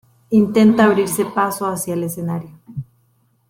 Intenta abrirse paso hacia el escenario.